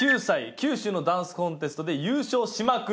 九州のダンスコンテストで優勝しまくる。